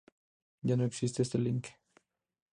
Ya no existe este Link